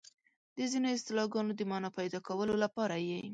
د ځینو اصطلاحګانو د مانا پيدا کولو لپاره یې